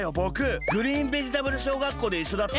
グリーンベジタブル小学校でいっしょだった。